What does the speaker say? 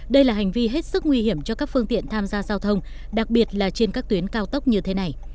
đây là hành vi hết sức nguy hiểm cho các phương tiện tham gia giao thông đặc biệt là trên các tuyến cao tốc như thế này